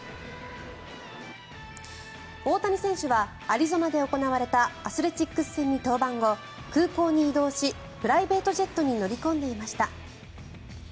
大谷選手はアリゾナで行われたアスレチックス戦に登板後空港に移動しプライベートジェットに乗り込んでいました。